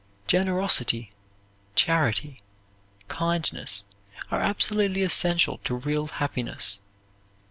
Generosity, charity, kindness are absolutely essential to real happiness.